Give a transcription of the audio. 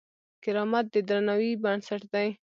کرامت د درناوي بنسټ دی.